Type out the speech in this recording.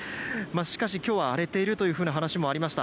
しかし、今日は荒れているというような話もありました。